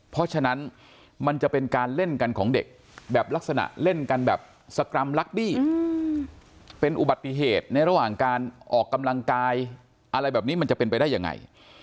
เพราะฉะนั้นมันจะเป็นการเล่นกันของเด็กแบบลักษณะเล่นกันแบบสกรรมลักดี้เป็นอุบัติเหตุในระหว่างการออกกำลังกายอะไรแบบนี้มันจะเป็นไปได้ยังไง